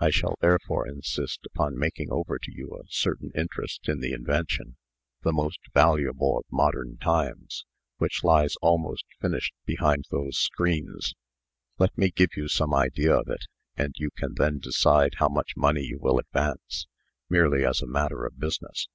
I shall therefore insist upon making over to you a certain interest in the invention, the most valuable of modern times, which lies almost finished behind those screens. Let me give you some idea of it, and you can then decide how much money you will advance, merely as a matter of business.